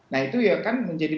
nah itu ya kan menjadi